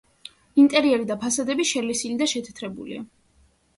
ინტერიერი და ფასადები შელესილი და შეთეთრებულია.